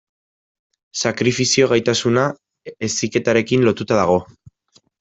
Sakrifizio gaitasuna heziketarekin lotuta dago.